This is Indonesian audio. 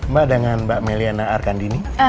mbak dengan mbak meliana arkandini